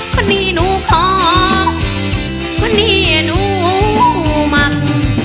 คนนี้หนูของคนนี้หนูมัน